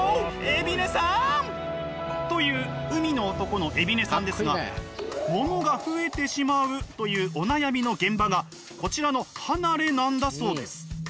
海老根さん！という海の男の海老根さんですがものが増えてしまうというお悩みの現場がこちらの離れなんだそうです。